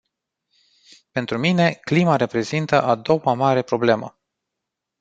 Pentru mine, clima reprezintă a doua mare problemă.